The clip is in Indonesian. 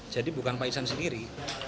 jadi bukan paisan sendiri